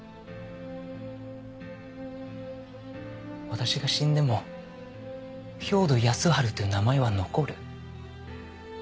私が死んでも兵働耕春という名前は残る。